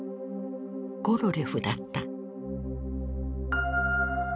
コロリョフだった。